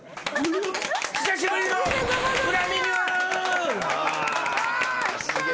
久しぶりの裏メニュー！